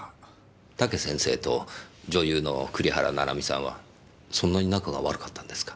武先生と女優の栗原ななみさんはそんなに仲が悪かったんですか？